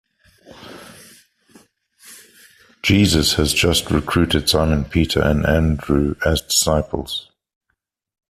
Jesus has just recruited Simon Peter and Andrew as disciples.